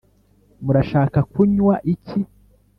“Murashaka kunywa iki?